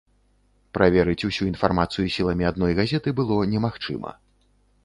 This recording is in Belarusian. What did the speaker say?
Праверыць усю інфармацыю сіламі адной газеты было немагчыма.